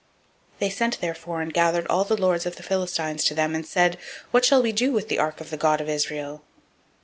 005:008 They sent therefore and gathered all the lords of the Philistines to them, and said, What shall we do with the ark of the God of Israel?